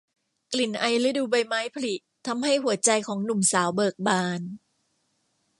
กลิ่นไอฤดูใบไม้ผลิทำให้หัวใจของหนุ่มสาวเบิกบาน